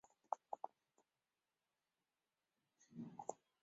该物种的模式产地在广州海产渔业公司。